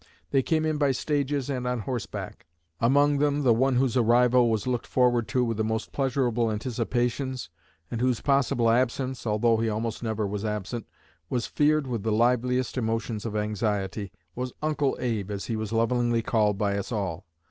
They came in by stages and on horseback. Among them the one whose arrival was looked forward to with the most pleasurable anticipations, and whose possible absence although he almost never was absent was feared with the liveliest emotions of anxiety, was 'Uncle Abe,' as he was lovingly called by us all.